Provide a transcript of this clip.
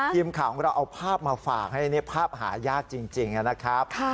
ทีมข่าวของเราเอาภาพมาฝากให้ภาพหายากจริงนะครับ